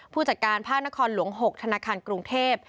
ผู้จัดการภาคนครหลวง๖ธนาคารกรุงเทพ